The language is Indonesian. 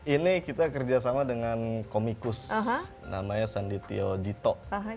ini kita kerjasama dengan komikus namanya sanditio jito